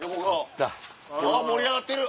盛り上がってる！